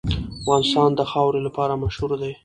افغانستان د خاوره لپاره مشهور دی.